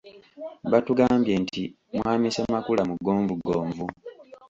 Batugambye nti mwami Ssemakula mugonvugonvu.